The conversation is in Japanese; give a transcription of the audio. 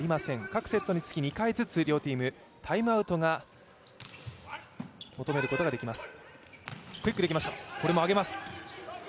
各セットにつき２回ずつ両チームタイムアウトを求めることができます。